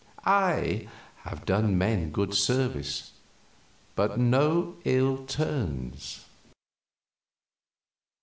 I have done men good service, but no ill turns.